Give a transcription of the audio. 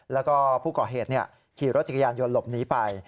แล้วก็ผู้ก่อเหตุขี่รถจักรยานยนต์หลบหนีไป